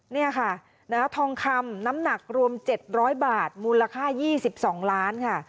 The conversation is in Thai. นี่ค่ะทองคำน้ำหนักรวม๗๐๐บาทมูลค่า๒๒ล้านค่ะ